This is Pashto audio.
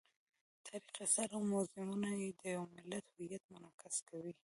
تاریخي آثار او موزیمونه د یو ملت هویت منعکس کوي.